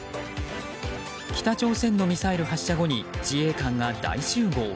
北朝鮮のミサイル発射後に自衛官が大集合。